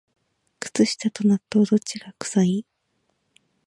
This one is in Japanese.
靴下と納豆、どっちが臭い？